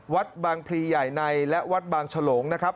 วัดบางพลีใหญ่ในและวัดบางฉลงนะครับ